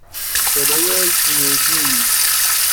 کره جنوبی